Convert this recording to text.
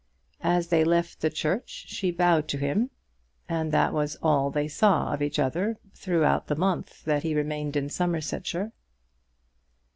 As they left the church she bowed to him, and that was all they saw of each other throughout the month that he remained in Somersetshire.